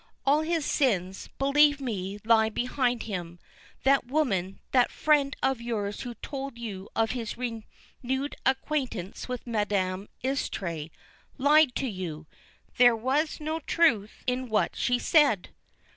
All his sins, believe me, lie behind him. That woman, that friend of yours who told you of his renewed acquaintance with Madame Istray, lied to you! There was no truth in what she said!"